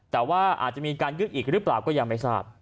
แต่ว่าอาจจะมีการยึดอีกหรือเปล่าก็ยังไม่ทราบ